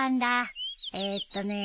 えっとね。